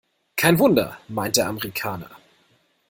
Kein Wunder, meint der Amerikaner.